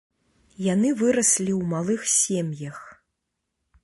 Яны выраслі ў малых сем'ях.